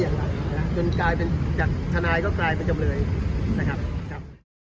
อย่างไรน่ะจนกลายเป็นจำนายก็กลายเป็นจำเลยนะครับ